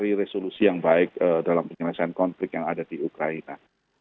dan ini menjadi solusi yang baik dalam penyelesaian konflik yang ada di ukraina